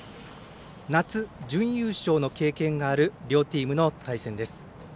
夏、準優勝の経験がある両チームの対戦です。